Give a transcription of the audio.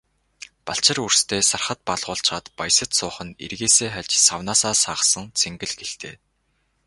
Балчир үрстээ сархад балгуулчхаад баясаж суух нь эргээсээ хальж, савнаасаа сагасан цэнгэл гэлтэй.